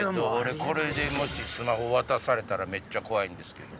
これでもしスマホ渡されたらめっちゃ怖いんですけど。